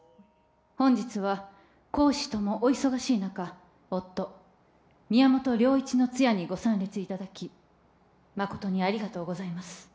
本日は公私ともお忙しい中夫宮本良一の通夜にご参列いただき誠にありがとうございます